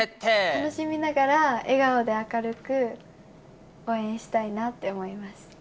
楽しみながら、笑顔で明るく応援したいなって思います。